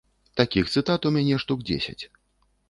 Такіх цытат у мяне штук дзесяць.